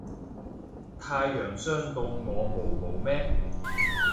太陽傷到我毛毛咩